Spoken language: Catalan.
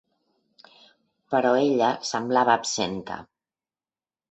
Però ella semblava absenta.